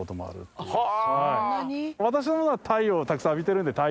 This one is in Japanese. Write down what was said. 私どものは太陽をたくさん浴びてるんで。